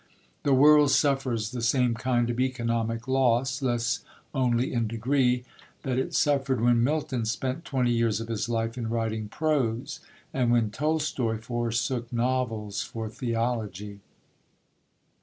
The world suffers the same kind of economic loss (less only in degree) that it suffered when Milton spent twenty years of his life in writing prose; and when Tolstoi forsook novels for theology.